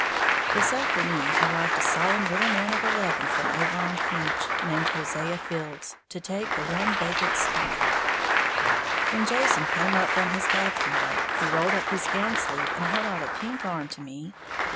This afternoon arrived a solemn little man of eleven from over on Clinch, named Hosea Fields, to take the one vacant place. When Jason came up from his bath to night, he rolled up his gown sleeve and held out a pink arm to me.